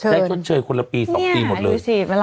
ชดเชยคนละปี๒ปีหมดเลย